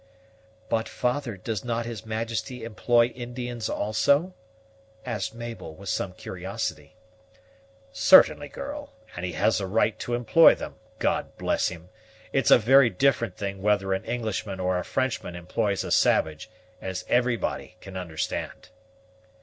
"But, father, does not his Majesty employ Indians also?" asked Mabel, with some curiosity. "Certainly, girl, and he has a right to employ them God bless him! It's a very different thing whether an Englishman or a Frenchman employs a savage, as everybody can understand."